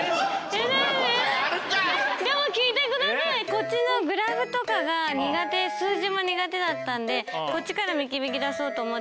こっちのグラフとかが苦手数字も苦手だったんでこっちから導き出そうと思って。